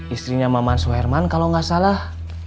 istrinya maman suherman kalau nggak salah